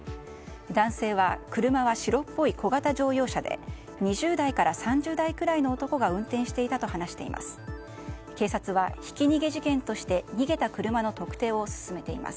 男性は車は白っぽい小型乗用車で２０代から３０代くらいの男が運転していたと話しています。